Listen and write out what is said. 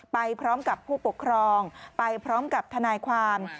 ไปพร้อมกับผู้ปกครองไปพร้อมกับทนายความ